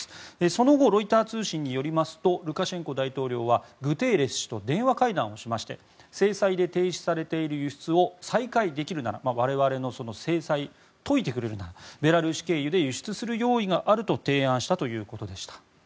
その後ロイター通信によりますとルカシェンコ大統領はグテーレス氏と電話会談しまして制裁で停止されている輸出を再開できるなら我々の制裁を解いてくれるならベラルーシ経由で輸出する用意があると提案したということでした。